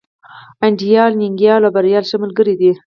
انديال، ننگيال او بريال ښه ملگري دي.